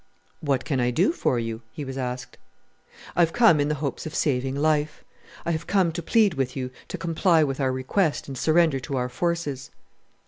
"What can I do for you?" he was asked. "I've come in the hopes of saving life. I have come to plead with you to comply with our request and surrender to our forces."